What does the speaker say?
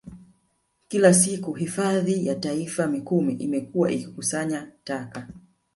Kila siku Hifadhi ya Taifa Mikumi imekuwa ikikusanya taka